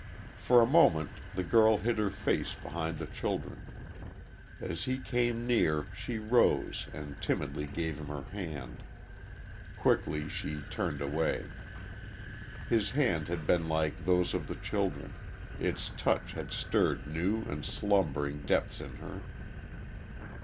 For a moment the girl hid her face behind the children. As he came near she rose and timidly gave him her hand. Quickly she turned away. His hand had been like those of the children its touch had stirred new and slumbering depths in her.